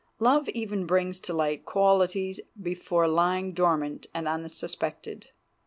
Love even brings to light qualities before lying dormant and unsuspected.